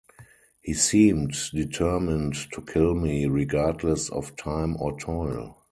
He seemed determined to kill me regardless of time or toil.